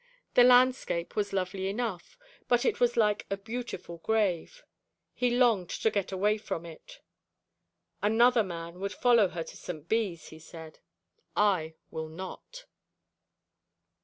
The landscape was lovely enough, but it was like a beautiful grave. He longed to get away from it. 'Another man would follow her to St. Bees,' he said. 'I will not.'